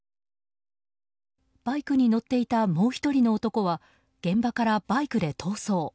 バイクに乗っていたもう１人の男は現場からバイクで逃走。